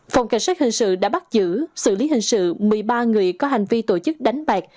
phòng cảnh sát hình sự đã bắt giữ xử lý hình sự một mươi ba người có hành vi tổ chức đánh bạc